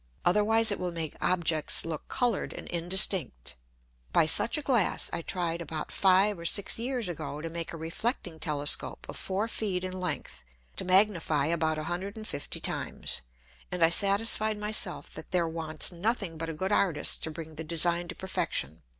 Otherwise it will make Objects look colour'd and indistinct. By such a Glass I tried about five or six Years ago to make a reflecting Telescope of four Feet in length to magnify about 150 times, and I satisfied my self that there wants nothing but a good Artist to bring the Design to perfection.